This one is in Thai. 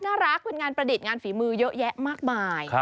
น่ารักเป็นงานประดิษฐ์งานฝีมือเยอะแยะมากมาย